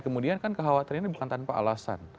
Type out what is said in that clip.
kemudian kan kekhawatiran ini bukan tanpa alasan